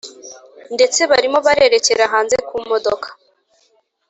ndetse barimo bererekera hanze kumodoka